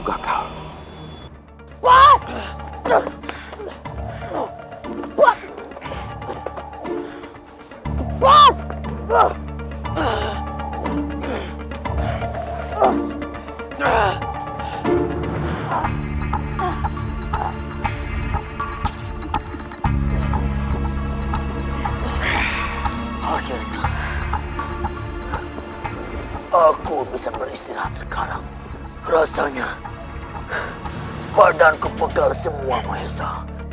akhirnya aku bisa beristirahat sekarang rasanya badanku pegal semua maesha